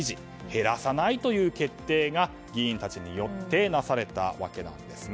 減らさないという決定が議員たちによってなされたわけなんです。